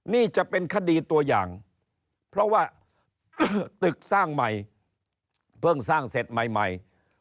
นี่จะเป็นคดีตัวอย่างเพราะว่าตึกสร้างใหม่เพิ่งสร้างเสร็จใหม่